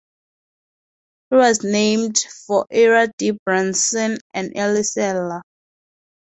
It was named for Ira D. Bronson, an early settler.